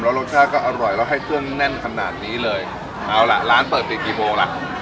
รสชาติก็อร่อยแล้วให้เครื่องแน่นขนาดนี้เลยเอาล่ะร้านเปิดปิดกี่โมงล่ะ